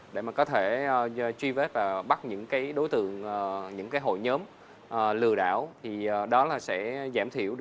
để mà có thể truy vết và bán hàng